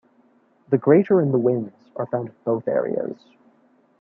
The greater and the wins are found in both areas.